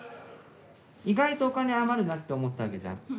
意外とお金余るなって思ったわけじゃん。